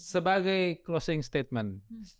sebagai closing statement